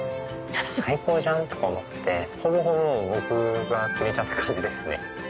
「最高じゃん」とか思ってほぼほぼもう僕が決めちゃった感じですね。